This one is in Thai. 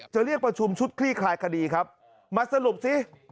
เรียกประชุมชุดคลี่คลายคดีครับมาสรุปสิ